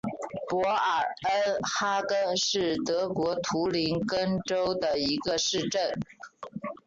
博尔恩哈根是德国图林根州的一个市镇。